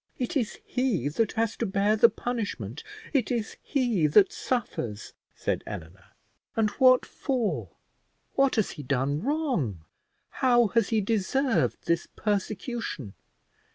"It is he that has to bear the punishment; it is he that suffers," said Eleanor; "and what for? what has he done wrong? how has he deserved this persecution?